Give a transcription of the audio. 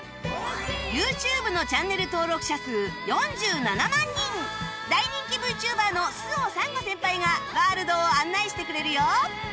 ＹｏｕＴｕｂｅ のチャンネル登録者数４７万人大人気 ＶＴｕｂｅｒ の周央サンゴ先輩がワールドを案内してくれるよ